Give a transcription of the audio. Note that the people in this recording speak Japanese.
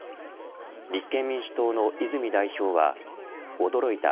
立憲民主党の泉代表は驚いた。